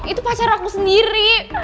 itu pacar aku sendiri